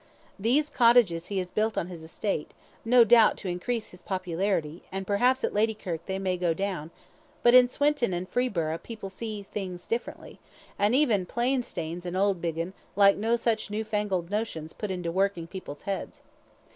These cottages he has built on his estate, no doubt to increase his popularity, and perhaps at Ladykirk they may go down, but in Swinton and Freeburgh people see things differently, and even Plainstanes and Auldbiggin like no such new fangled notions put into working people's heads.